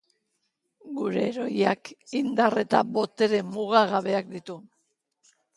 Gure heroiak indar eta botere mugagabeak ditu.